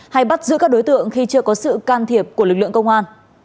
hay bắt giữ các đối tượng khi chưa có sự can thiệp của lực lượng công an